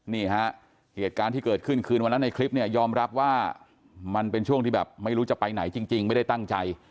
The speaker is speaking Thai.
นี่ฮะเหตุการณ์ที่เกิดขึ้นคืนวันนั้นในคลิปเนี่ยยอมรับว่ามันเป็นช่วงที่แบบไม่รู้จะไปไหนจริงไม่ได้ตั้งใจ